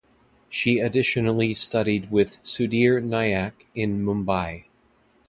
She additionally studied with Sudhir Nayak in Mumbai.